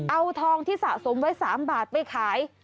เอาทองที่สะสมไว้๓บาทไปขาย